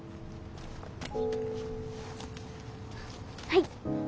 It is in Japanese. はい。